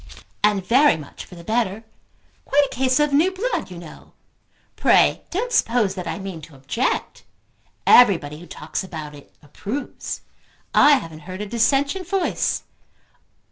"And very much for the better. Quite a case of new blood, you know. Pray don't suppose that I mean to object. Everybody who talks about it approves. I haven't heard a dissentient voice.